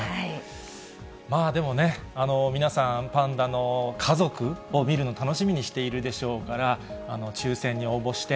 まあでもね、皆さん、パンダの家族を見るの楽しみにしているでしょうから、抽せんに応募して、